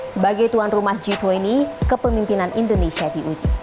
sebagai tuan rumah g dua puluh kepemimpinan indonesia diuji